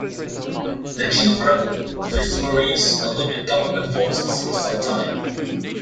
The chief rebel, Fitzmaurice, eluded government forces for some time.